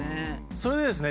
それでですね